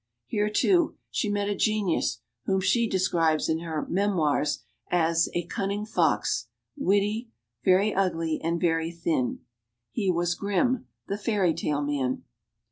Here, too, she met a genius whom she describes in her "Memoirs" as "a cunning fox; witty ... very ugly and very thin." He was Grimm, the fairytale man.